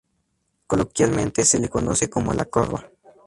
Coloquialmente se le conoce como la "corva.